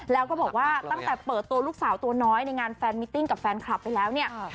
แล้วก็บอกว่าตั้งแต่เปิดตัวลูกสาวตัวน้อยในงานแฟนมิติ้งกับแฟนคลับไปแล้วเนี่ย